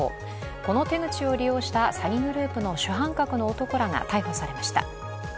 この手口を利用した詐欺グループの主犯格の男らが逮捕されました。